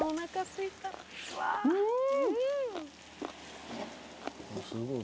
うん